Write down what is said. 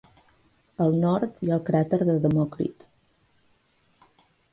Al nord hi ha el cràter de Demòcrit.